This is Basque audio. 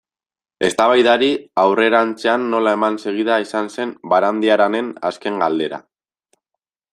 Eztabaidari aurrerantzean nola eman segida izan zen Barandiaranen azken galdera.